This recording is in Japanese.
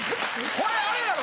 これあれやろ。